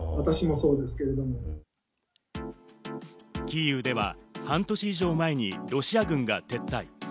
キーウでは半年以上前にロシア軍が撤退。